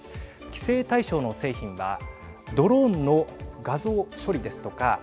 規制対象の製品はドローンの画像処理ですとか